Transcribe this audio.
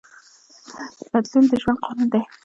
بدلون د ژوند قانون دی.